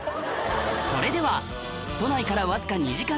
それでは都内からわずか２時間で行ける